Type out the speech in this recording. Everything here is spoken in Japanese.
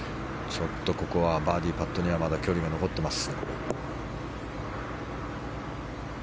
ここはバーディーパットにはまだちょっと距離が残ってます。